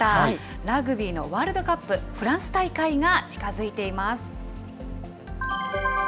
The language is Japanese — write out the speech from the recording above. ラグビーのワールドカップフランス大会が近づいています。